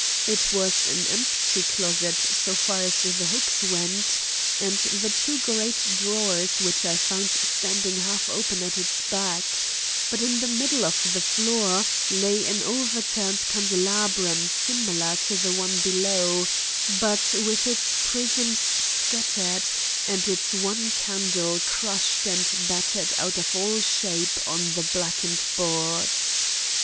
It was an empty closet so far as the hooks went and the two great drawers which I found standing half open at its back; but in the middle of the floor lay an overturned candelabrum similar to the one below, but with its prisms scattered and its one candle crushed and battered out of all shape on the blackened boards.